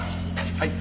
はい。